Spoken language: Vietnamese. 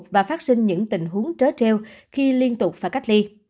và phát sinh những tình huống trớ treo khi liên tục phải cách ly